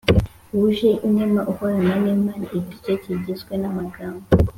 wuje inema uhorana n’imana“ igice kigizwe n’amagambo